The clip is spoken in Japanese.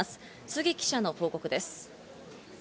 杉記者の報告です。